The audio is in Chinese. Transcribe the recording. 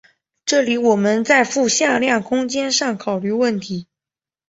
这里我们在复向量空间上考虑问题。